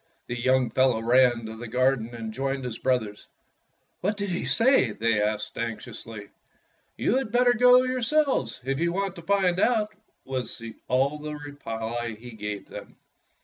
The young fellow ran to the gar den and joined his brothers. "What did he say.^^" they asked anx iously. "You had better go yourselves, if you want to find out," was all the reply he gave them.